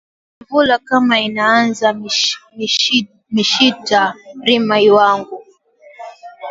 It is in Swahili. Nvula kama inanza mishita rima lwangu